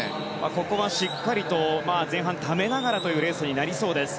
ここはしっかりと前半ためながらというレースになりそうです。